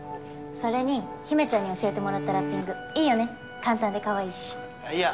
それに陽芽ちゃんに教えてもらったラッピングいいよね簡単でかわいいしあっいや